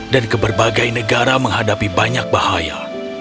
dan ke berbagai negara menghadapi banyak bahaya